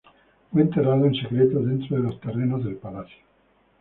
Fue enterrado en secreto dentro de los terrenos del palacio.